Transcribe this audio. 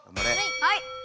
はい！